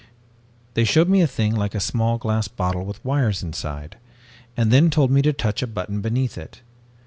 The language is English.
"They showed me a thing like a small glass bottle with wires inside, and then told me to touch a button beneath it.